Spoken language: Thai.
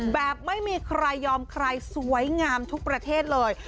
แบบไม่มีใครยอมใครสวยงามทุกประเทศเลย